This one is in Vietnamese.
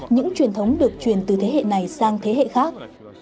những truyền thống được truyền từ thế hệ này sang thế hệ khác